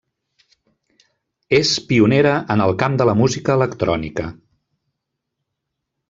És pionera en el camp de la música electrònica.